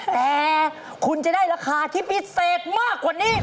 แต่คุณจะได้ราคาที่พิเศษมากกว่านี้